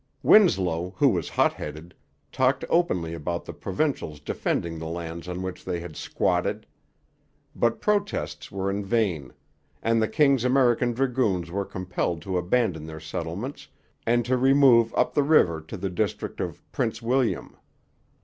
Winslow, who was hot headed, talked openly about the provincials defending the lands on which they had 'squatted.' But protests were in vain; and the King's American Dragoons were compelled to abandon their settlement, and to remove up the river to the district of Prince William.